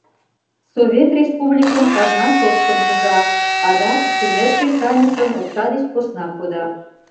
Совет республикын казна шотшым пужа, адак шемер кресаньыкым окса деч посна кода.